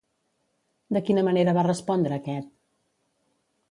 De quina manera va respondre aquest?